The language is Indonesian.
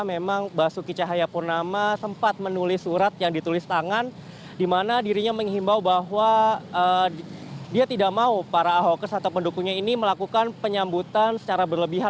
memang basuki cahaya purnama sempat menulis surat yang ditulis tangan di mana dirinya menghimbau bahwa dia tidak mau para ahokers atau pendukungnya ini melakukan penyambutan secara berlebihan